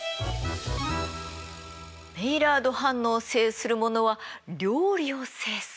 メイラード反応を制する者は料理を制す。